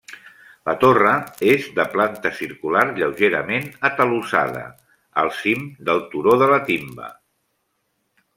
La torre és de planta circular lleugerament atalussada al cim del turó de la timba.